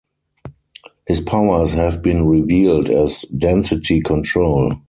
His powers have been revealed as density control.